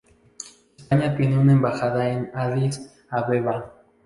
España tiene una embajada en Addis Abeba.